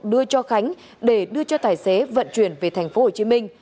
đưa cho khánh để đưa cho tài xế vận chuyển về tp hcm